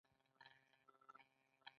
هغه د ځنډول شوو ورځو معاش اخلي.